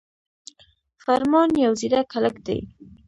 فرمان يو ځيرک هلک دی